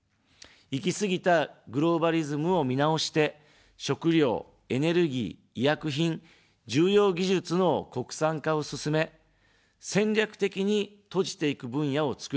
行き過ぎたグローバリズムを見直して、食料、エネルギー、医薬品、重要技術の国産化を進め、戦略的に閉じていく分野を作る。